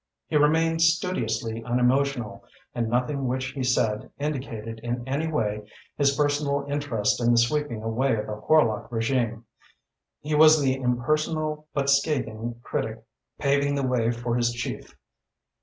He remained studiously unemotional and nothing which he said indicated in any way his personal interest in the sweeping away of the Horlock regime. He was the impersonal but scathing critic, paving the way for his chief.